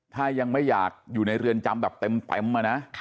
ถ้ายังไม่อยากอยู่ในเรือนจำแบบเต็มอะนะ